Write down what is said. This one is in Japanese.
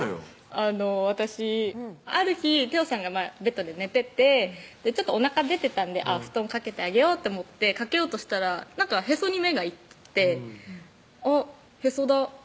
あの私ある日太鎬さんがベッドで寝ててちょっとおなか出てたんで布団かけてあげようって思ってかけようとしたらなんかへそに目が行ってあっへそだ